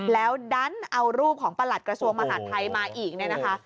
แล้วดันเอารูปของประหลัดกระทรวงมหาดไทยมาอีกเนี่ยนะคะ